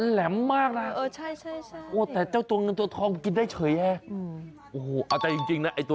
มันแหลมมากเลยนะแต่เจ้าเงินตัวทองกินได้เฉยแยะโอ้โหแต่จริงนะ